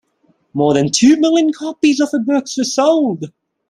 More than two million copies of her books were sold.